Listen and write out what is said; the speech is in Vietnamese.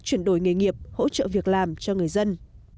chuyển đổi nghề nghiệp hỗ trợ việc làm cho người dân